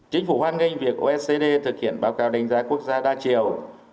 chính phủ hoan nghênh việc oecd thực hiện báo cáo đánh giá quốc gia đa chiều